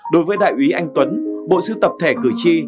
đối với đại úy anh tuấn bộ sưu tập thể cử tri